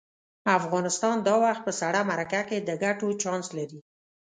افغانستان دا وخت په سړه مرکه کې د ګټو چانس لري.